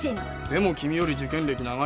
でも君より受験歴長いぜ。